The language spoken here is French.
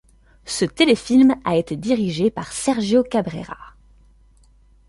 Ce téléfilm a été dirigé par Sergio Cabrera.